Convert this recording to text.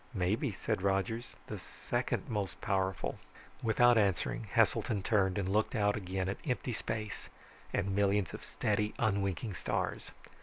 "Maybe," said Rogers, "the second most powerful." Without answering, Heselton turned and looked out again at empty space and millions of steady, unwinking stars.